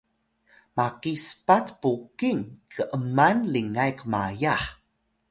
maki spat puqing k’man lingay qmayah